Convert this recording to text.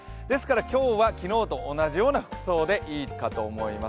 今日は昨日と同じような服装でいいと思います